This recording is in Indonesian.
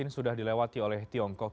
sudah dilewati oleh tiongkok